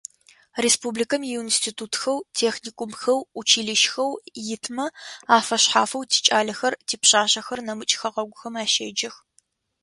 Республикэм институтхэу, техникумхэу, училищхэу итмэ афэшъхьафэу тикӏалэхэр, типшъашъэхэр нэмыкӏ хэгъэгухэм ащеджэх.